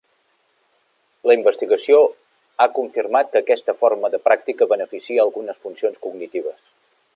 La investigació ha confirma que aquesta forma de pràctica beneficia algunes funcions cognitives.